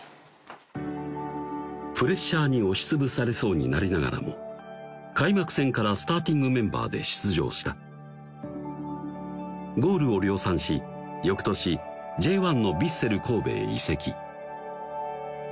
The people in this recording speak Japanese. プレッシャーに押し潰されそうになりながらも開幕戦からスターティングメンバーで出場したゴールを量産し翌年Ｊ１のヴィッセル神戸へ移籍